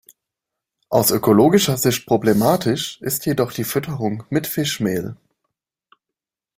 Aus ökologischer Sicht problematisch ist jedoch die Fütterung mit Fischmehl.